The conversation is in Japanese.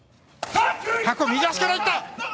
白鵬右足からいった！